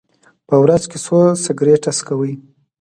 په ورځ کې څو سګرټه څکوئ؟